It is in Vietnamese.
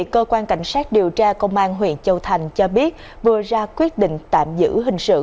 cơ quan cảnh sát điều tra công an huyện châu thành cho biết vừa ra quyết định tạm giữ hình sự